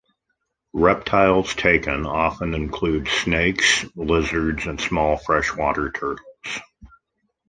Reptiles taken often including snakes, lizards and small freshwater turtles.